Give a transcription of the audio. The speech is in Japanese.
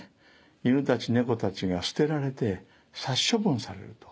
犬たち猫たちが捨てられて殺処分されると。